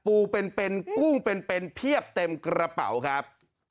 ปูเป็นกุ้งเป็นเพียบเต็มกระเป๋าครับ